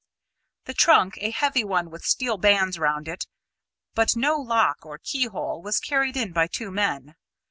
The trunk, a heavy one with steel bands round it, but no lock or keyhole, was carried in by two men.